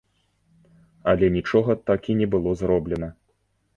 Але нічога так і не было зроблена.